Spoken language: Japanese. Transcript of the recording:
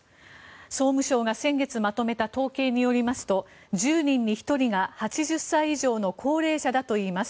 総務省が先月まとめた統計によりますと１０人に１人が８０歳以上の高齢者だといいます。